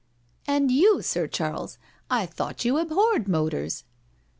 " And yoU| Sir Charl^s—I thought you abhorred motors?'